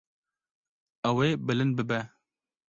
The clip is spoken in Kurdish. Ew ê bilind bibe.